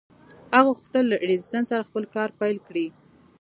هغه غوښتل له ايډېسن سره خپل کار پيل کړي.